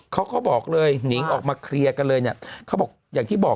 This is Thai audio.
เขาบอกเลยนิงออกมาเคลียร์กันเลยเนี่ยเขาบอกอย่างที่บอก